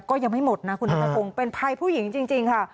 ก็ยังไม่หมดนะคุณธรรมองค์เป็นภัยผู้หญิงจริงจริงค่ะ